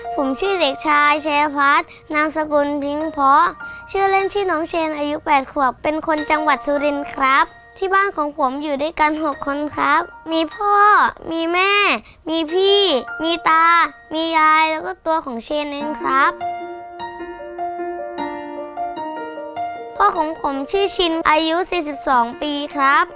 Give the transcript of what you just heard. พ่อของผมชื่อชินอายุ๔๒ปีครับ